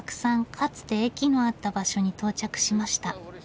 かつて駅のあった場所に到着しました。